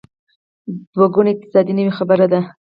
دوه ګونی اقتصاد نوې خبره ده.